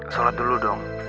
sholat dulu dong